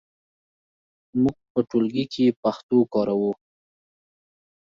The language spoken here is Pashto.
موږ په ټولګي کې پښتو کاروو.